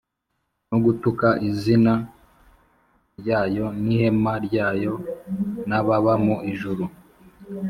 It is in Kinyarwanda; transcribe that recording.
no gutuka izina ryayo n’ihema ryayo n’ababa mu ijuru.